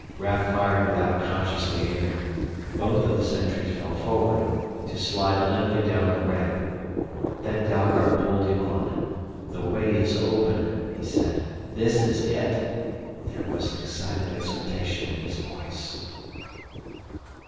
Raf fired without consciously aiming. Both of the sentries fell forward, to slide limply down the ramp. Then Dalgard pulled him on. "The way is open," he said. "This is it!" There was an excited exultation in his voice.